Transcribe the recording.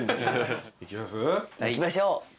いきましょう。